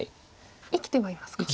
生きてはいますか。